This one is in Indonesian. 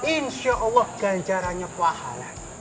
insya allah ganjarannya pahala